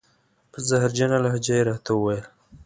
په زهرجنه لهجه یې را ته و ویل: